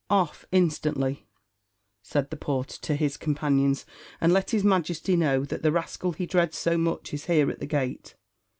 "Off, instantly," said the porter to his companions, "and let his Majesty know that the rascal he dreads so much is here at the gate."